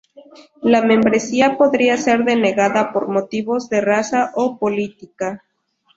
La membresía podría ser denegada por motivos de raza o política.